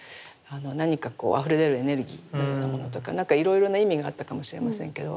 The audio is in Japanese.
何かこうあふれ出るエネルギーというようなものとか何かいろいろな意味があったかもしれませんけど。